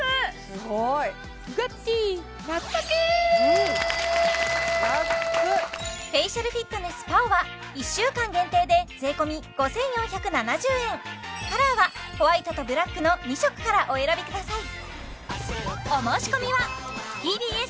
すごいフェイシャルフィットネスＰＡＯは１週間限定で税込５４７０円カラーはホワイトとブラックの２色からお選びください